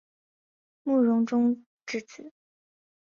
慕容忠之子。